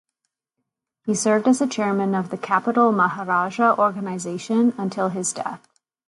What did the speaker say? He served as the chairman of the Capital Maharaja organisation until his death.